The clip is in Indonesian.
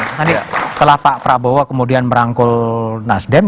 nanti setelah pak prabowo kemudian merangkul nasdem